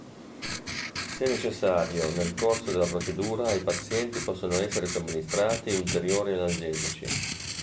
Se necessario nel corso della procedura ai pazienti possono essere somministrati ulteriori analgesici.